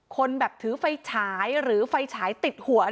คนแบบถือไฟฉายหรือไฟฉายติดหัว